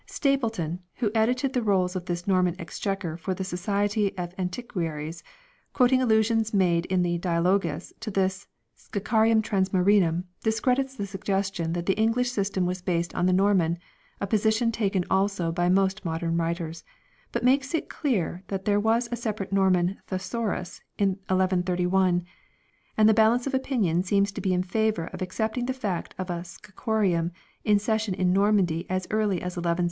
Stapleton, 3 who edited the rolls of this Norman Exchequer for the Society of Antiquaries, quoting allusions made in the " Dialogus " to this "Scaccarium transmarinum," discredits the suggestion 4 that the English system was based on the Norman, a position taken also by most modern writers ; 5 but makes it clear that there was a separate Norman " thesaurus " in 1131 : 6 and the balance of opinion seems to be in favour of accepting the fact of a " Scaccarium " in session in Normandy as early as n^i.